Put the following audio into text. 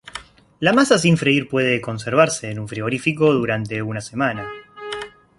La masa sin freír puede conservarse en un frigorífico durante una semana.